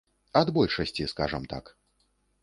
Ад большасці, скажам так.